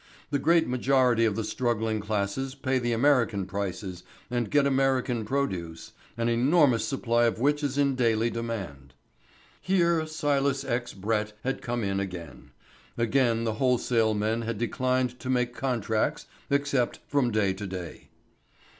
The great majority of the struggling classes pay the American prices and get American produce, an enormous supply of which is in daily demand. Here Silas X. Brett had come in again. Again the wholesale men had declined to make contracts except from day to day.